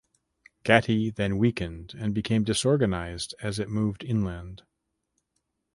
Gati then weakened and became disorganized as it moved inland.